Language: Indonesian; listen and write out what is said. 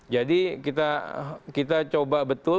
jadi kita coba betul